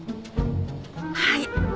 はい